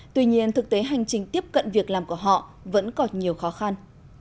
tuy nhiên thực tế hành trình tiếp cận việc làm của họ vẫn còn nhiều khó khăn